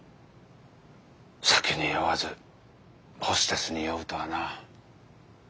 酒に酔わずホステスに酔うとはな。